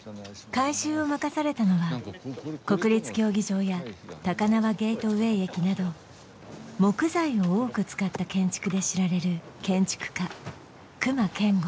改修を任されたのは国立競技場や高輪ゲートウェイ駅など木材を多く使った建築で知られる建築家隈研吾